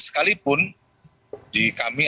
sekalipun di kami